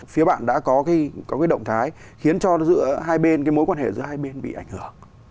phía bạn đã có cái động thái khiến cho mối quan hệ giữa hai bên bị ảnh hưởng